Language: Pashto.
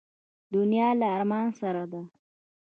دنیا له ارمان سره ده.